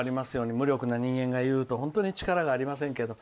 無力な人間が言うと本当に力がありませんけど。